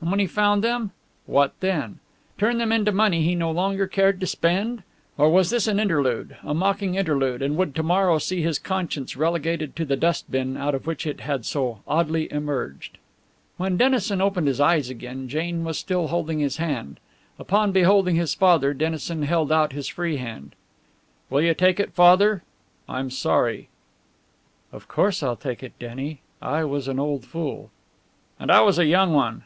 And when he found them, what then? Turn them into money he no longer cared to spend? Or was this an interlude a mocking interlude, and would to morrow see his conscience relegated to the dustbin out of which it had so oddly emerged? When Dennison opened his eyes again Jane was still holding his hand. Upon beholding his father Dennison held out his free hand. "Will you take it, Father? I'm sorry." "Of course I'll take it, Denny. I was an old fool." "And I was a young one."